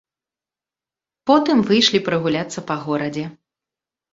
Потым выйшлі прагуляцца па горадзе.